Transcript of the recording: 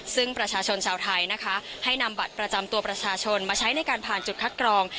ซึ่งประชาชนชาวไทยนะคะให้นำบัตรประจำตัวประชาชนมาใช้ในการผ่านจุดคัดกรอง